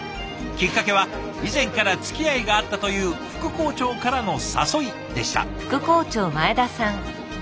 きっかけは以前からつきあいがあったという副校長からの誘いでした。